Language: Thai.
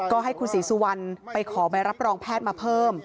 ก็ให้คุณศรีสุวรรณไปขอใบรับรองแพทย์มาเพิ่ม